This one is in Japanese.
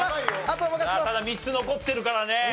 ただ３つ残ってるからね。